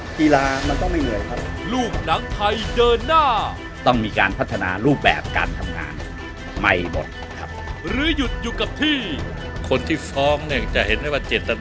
การเมืองทำให้เราเหนื่อยพอแล้ว